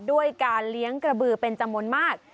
ด้วยการเลี้ยงกระบือเป็นจำนวนมาก